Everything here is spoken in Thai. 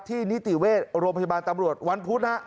ที่นิติเวทย์โรงพยาบาลตำรวจวันพุธนะครับ